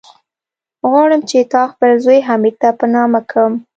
غواړم چې تا خپل زوی، حميد ته په نامه کم.